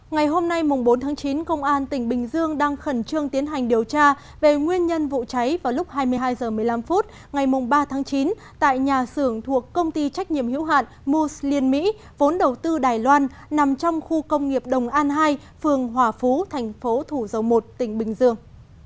ngày hôm nay bốn tháng chín công an tỉnh bình dương đang khẩn trương tiến hành điều tra về nguyên nhân vụ cháy vào lúc hai mươi hai h một mươi năm phút ngày ba tháng chín tại nhà xưởng thuộc công ty trách nhiệm hữu hạn moose liên mỹ vốn đầu tư đài loan nằm trong khu công nghiệp đồng an hai phường hòa phú thành phố thủ dầu một tỉnh bình dương